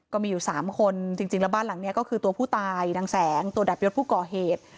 ก็มีอยู่๓คนจริงแล้วบ้านหลังนี้ก็คือตัวผู้ตายนางแสงตัวดับยศผู้ก่อเหตุ